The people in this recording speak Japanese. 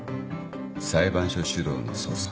裁判所主導の捜査。